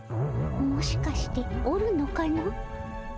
もしかしておるのかの？